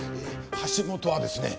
橋本はですね。